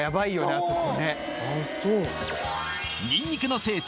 あそこねあっそうニンニクの聖地